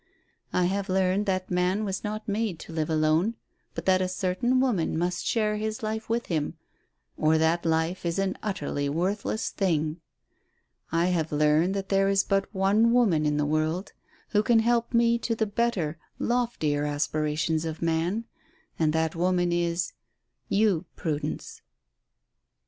I have learned that man was not made to live alone, but that a certain woman must share his life with him, or that life is an utterly worthless thing. I have learned that there is but one woman in the world who can help me to the better, loftier aspirations of man, and that woman is you, Prudence."